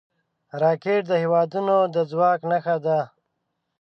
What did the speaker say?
راکټ د هیوادونو د ځواک نښه ده